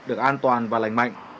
được an toàn và lành mạnh